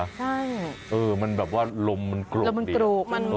มันเป็นแบบว่าลมมันกรก